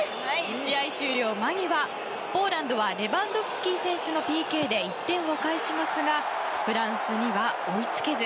試合終了間際、ポーランドはレバンドフスキ選手のＰＫで１点を返しますがフランスには追い付けず。